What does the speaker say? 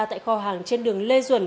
tại kho hàng trên đường lê duẩn